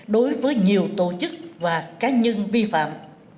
đối với nhiều tổ chức và cá nhân vi phạm